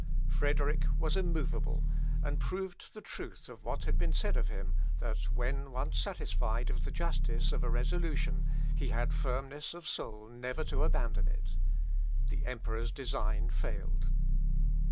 Frederick was immovable, and proved the truth of what has been said of him, that when once satisfied of the justice of a resolution, he had firmness of soul never to abandon it. The Emperor's design failed.